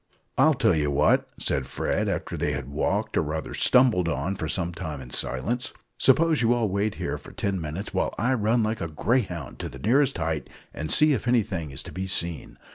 "I'll tell you what," said Fred, after they had walked, or rather stumbled, on for some time in silence. "Suppose you all wait here for ten minutes while I run like a greyhound to the nearest height and see if anything is to be seen.